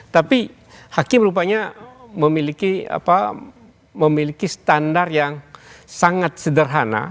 tapi hakim rupanya memiliki standar yang sangat sederhana